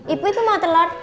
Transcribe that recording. ibu itu mau telur